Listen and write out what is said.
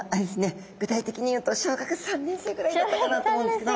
ぐたいてきに言うと小学３年生ぐらいだったかなと思うんですけど。